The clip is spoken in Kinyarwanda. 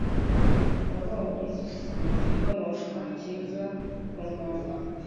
Nabonye igikonoshwa cyiza ku nkombe.